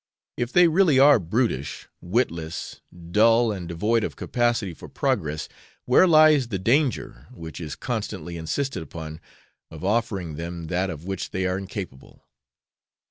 If they really are brutish, witless, dull, and devoid of capacity for progress, where lies the danger which is constantly insisted upon of offering them that of which they are incapable.